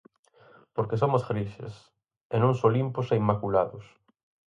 Porque somos grises, e non só limpos e inmaculados.